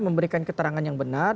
memberikan keterangan yang benar